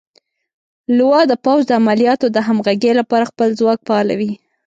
لوا د پوځ د عملیاتو د همغږۍ لپاره خپل ځواک فعالوي.